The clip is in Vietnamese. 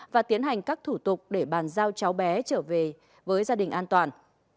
và tiến hành các thủ tục để bàn giao cháu bé trở về với gia đình an toàn